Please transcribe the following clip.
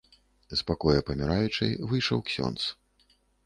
З пакоя паміраючай выйшаў ксёндз.